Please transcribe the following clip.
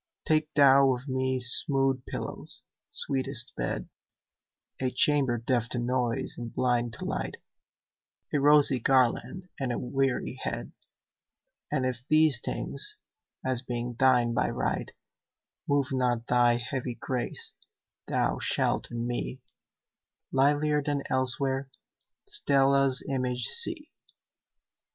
Take thou of me smooth pillows, sweetest bed,A chamber deaf to noise and blind to light,A rosy garland and a weary head:And if these things, as being thine by right, Move not thy heavy grace, thou shalt in me, Livelier than elsewhere, Stella's image see.